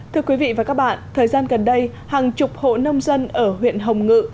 thưa quý vị và các bạn thời gian gần đây hàng chục hộ nông dân ở huyện hồng ngự